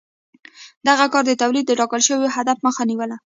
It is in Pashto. دغه کار د تولید د ټاکل شوي هدف مخه نیوله.